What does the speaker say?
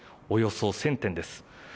およそ１０００点です。